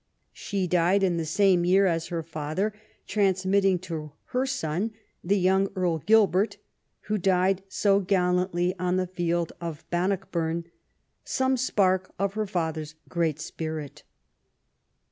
She died in the same year as her father, transmitting to her son, the young Earl Gilbert, who died so gallantly on the field of Ban nockburn, some spark of her father's great spirit.